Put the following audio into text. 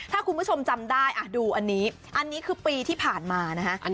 ถ้าคุณผู้ชมจำได้ดูอันนี้อันนี้คือปีที่ผ่านมานะฮะ